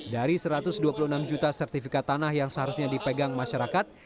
dari satu ratus dua puluh enam juta sertifikat tanah yang seharusnya dipegang masyarakat